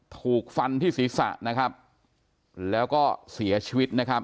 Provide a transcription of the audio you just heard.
ถูกฟันที่ศีรษะนะครับแล้วก็เสียชีวิตนะครับ